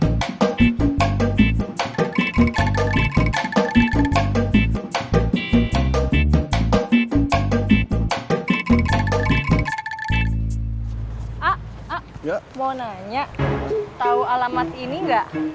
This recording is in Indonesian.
a a mau nanya tau alamat ini gak